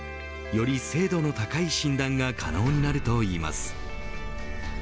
より精度の高い診断が可能になるといいます。